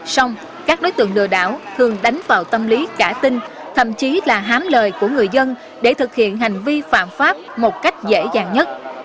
xong các đối tượng lừa đảo thường đánh vào tâm lý cả tinh thậm chí là hám lời của người dân để thực hiện hành vi phạm pháp một cách dễ dàng nhất